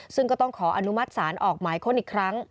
ซึ่งก็ต้องขออนุมัติศาลออกหมายค้นอีกครั้ง